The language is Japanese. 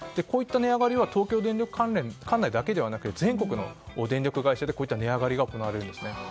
こういった値上がりは東京電力管内だけではなくて全国の電力会社でこういった値上がりが行われるんですね。